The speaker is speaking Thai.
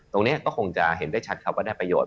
ทีนี้ก็คงจะเห็นได้ชัดความได้ประโยชน์